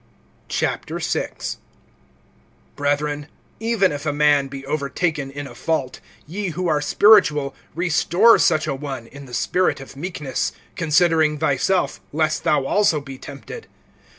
VI. BRETHREN, even if a man be overtaken in a fault, ye who are spiritual restore such a one in the spirit of meekness; considering thyself, lest thou also be tempted.